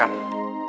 selamat pagi dok